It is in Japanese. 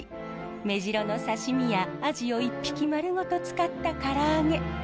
メジロの刺身やアジを一匹丸ごと使った唐揚げ。